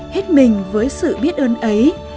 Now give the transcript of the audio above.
hết mình với sự biết ơn ấy